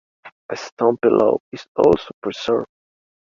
A stone pillow is also preserved.